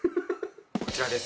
こちらです。